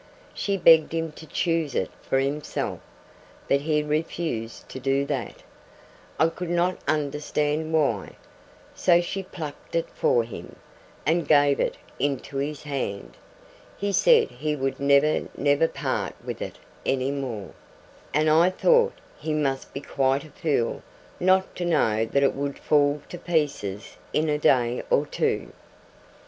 She begged him to choose it for himself, but he refused to do that I could not understand why so she plucked it for him, and gave it into his hand. He said he would never, never part with it any more; and I thought he must be quite a fool not to know that it would fall to pieces in a day or two.